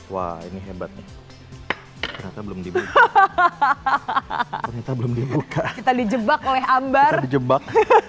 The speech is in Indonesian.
wah ini hebatnya belum diberi belum dibuka kita dijebak oleh ambar jebak